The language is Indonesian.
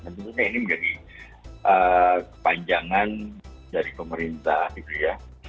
tentunya ini menjadi kepanjangan dari pemerintah gitu ya